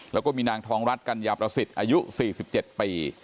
แล้วก็มีนางทองรัฐกัญญาประสิทธิ์อายุ๔๗ปี